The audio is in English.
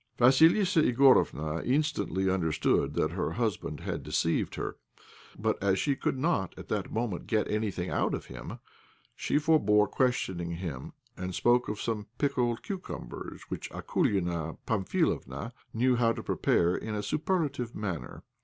Vassilissa Igorofna instantly understood that her husband had deceived her, but as she could not at that moment get anything out of him, she forebore questioning him, and spoke of some pickled cucumbers which Akoulina Pamphilovna knew how to prepare in a superlative manner.